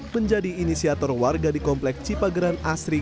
menjadi inisiator warga di kompleks cipageran asri